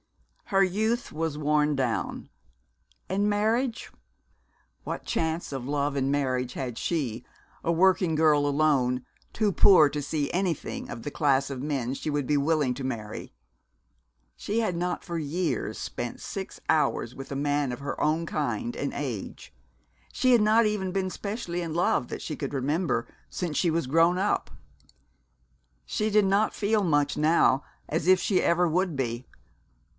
Her youth was worn down. And marriage? What chance of love and marriage had she, a working girl alone, too poor to see anything of the class of men she would be willing to marry? She had not for years spent six hours with a man of her own kind and age. She had not even been specially in love, that she could remember, since she was grown up. She did not feel much, now, as if she ever would be.